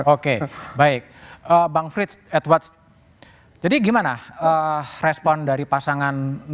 oke baik bang frits ad watch jadi gimana respon dari pasangan dua